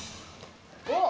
おっ！